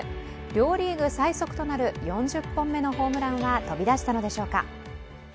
両リーグ最速となる４０本目のホームランは飛び出したのでしょうか。